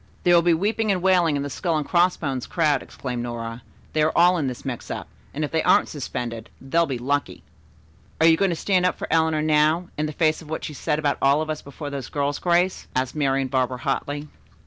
"There will be weeping and wailing in the 'Skull and Crossbones' crowd,'" exclaimed Nora. "They are all in this mix up, and if they aren't suspended, they'll be lucky." "Are you going to stand up for Eleanor now, in the face of what she said about all of us before those girls, Grace?" asked Marian Barber hotly.